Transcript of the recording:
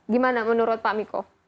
gimana menurut pak miko